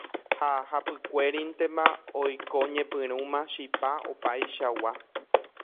ha hapykuérintema oikóñepyrũma chipa opaichagua